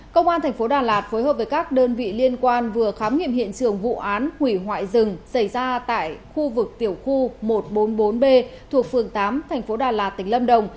công an thành phố đà lạt phối hợp với các đơn vị liên quan vừa khám nghiệm hiện trường vụ án hủy hoại rừng xảy ra tại khu vực tiểu khu một trăm bốn mươi bốn b thuộc phường tám thành phố đà lạt tỉnh lâm đồng